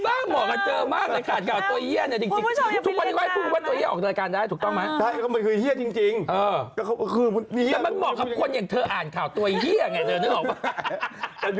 มันปิดตรงไหนโอ้อให้ใครคำว่าตัวเฮีย